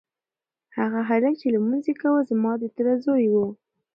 هغه هلک چې لمونځ یې کاوه زما د تره زوی و.